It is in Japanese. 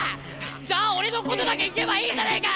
じゃあ俺のことだけ言えばいいじゃねえか！